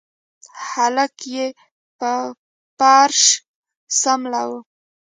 هلک يې په فرش سملوه.